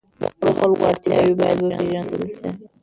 د خلکو اړتیاوې باید وپېژندل سي.